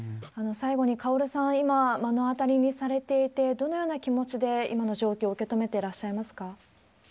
最後にカオルさん、今、目の当たりにされていて、どのような気持ちで今の状況受け止めていらっしゃいますか？